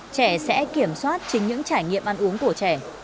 trẻ sẽ kiểm soát chính những trải nghiệm ăn uống của trẻ